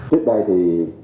trước đây thì